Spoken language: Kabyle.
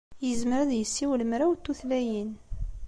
Yezmer ad yessiwel mraw n tutlayin.